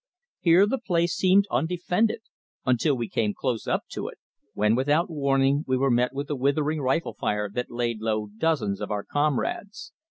Here the place seemed undefended until we came close up to it, when without warning we were met with a withering rifle fire that laid low dozens of our comrades.